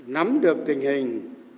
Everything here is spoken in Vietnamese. nắm được tình hình